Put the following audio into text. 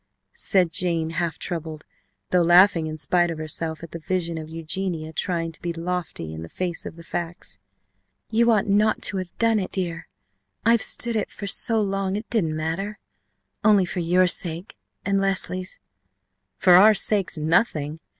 said Jane, half troubled, though laughing in spite of herself at the vision of Eugenia trying to be lofty in the face of the facts. "You ought not to have done it, dear. I have stood it so long, it didn't matter! Only for your sake and Leslie's !" "For our sakes, nothing!"